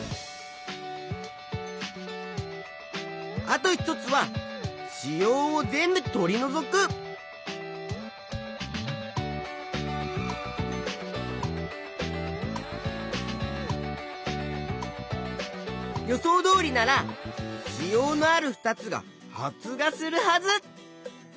あと一つは子葉を全部とりのぞく。予想どおりなら子葉のある２つが発芽するはず！